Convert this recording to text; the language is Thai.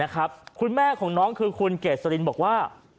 คุณแม่ของน้องคือคุณเกษรินบอกว่า